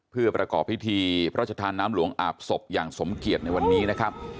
เพื่อประกอบพิธีพระชธานน้ำหลวงอาบศพอย่างสมเกียจในวันนี้นะครับ